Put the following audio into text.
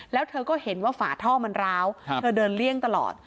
แล้วเธอก็เห็นว่าฝาท่อมันร้าวเธอเดินเลี่ยงตลอด